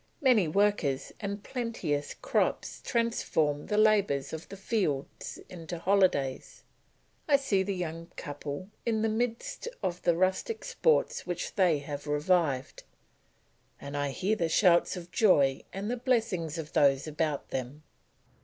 Many workers and plenteous crops transform the labours of the fields into holidays; I see the young couple in the midst of the rustic sports which they have revived, and I hear the shouts of joy and the blessings of those about them.